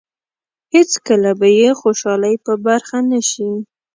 هېڅکله به یې خوشالۍ په برخه نه شي.